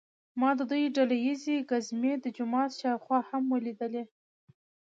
ما د دوی ډله ییزې ګزمې د جومات شاوخوا هم ولیدلې.